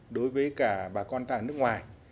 đối với cả bà con tại nước ngoài